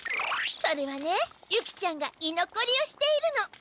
それはねユキちゃんが居残りをしているの。